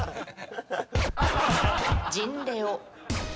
ジンレオ。